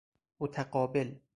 متقابل